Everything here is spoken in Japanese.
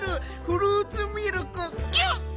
フルーツミルクキュッ。